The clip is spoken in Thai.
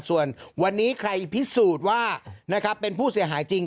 ส่วนวันนี้ใครพิสูจน์ว่านะครับเป็นผู้เสียหายจริง